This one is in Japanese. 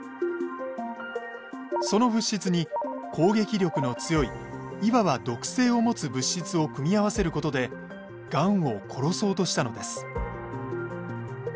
その物質に攻撃力の強いいわば毒性を持つ物質を組み合わせることでがんを殺そうとしたのです。